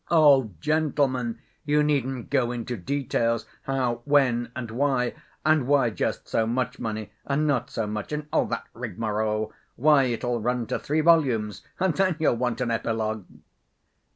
"Oh, gentlemen, you needn't go into details, how, when and why, and why just so much money, and not so much, and all that rigmarole. Why, it'll run to three volumes, and then you'll want an epilogue!"